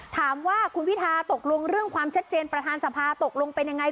ถามว่าคุณพิทาตกลงเรื่องความชัดเจนประธานสภาตกลงเป็นยังไง